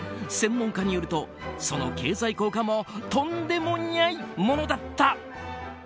専門家によるとその経済効果もとんでもにゃいものだった。